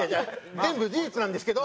全部事実なんですけど。